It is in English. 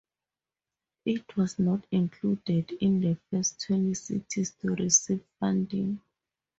It was not included in the first twenty cities to receive funding.